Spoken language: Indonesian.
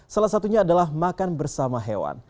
salah satunya adalah makan bersama hewan